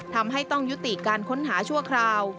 ทำให้ต้องยุติการค้นหาชั่วคราว